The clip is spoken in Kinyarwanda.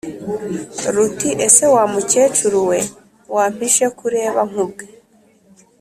ruti:” ese wa mukecuru we wampishe ko ureba nkubwe!